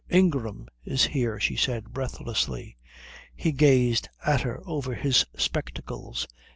Ingram's here," she said breathlessly. He gazed at her over his spectacles.